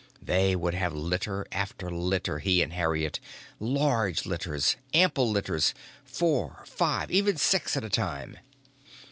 They would have litter after litter, he and Harriet, large litters, ample litters, four, five, even six at a time.